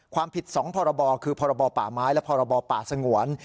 ความผิด๒พรบคือพรบป่าไม้และพรบป่าสงวน